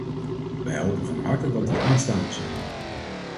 Wij hopen van harte dat die aanstaande zijn.